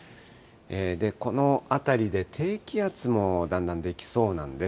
この辺りで低気圧もだんだん出来そうなんです。